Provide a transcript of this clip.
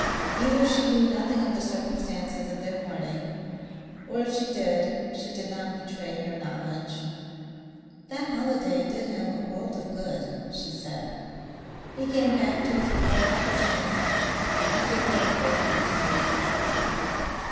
Either she knew nothing of the circumstances of their parting or if she did she did not betray her knowledge. "That holiday did him a world of good," she said. "He came back to his work like a giant. I feel very grateful to you."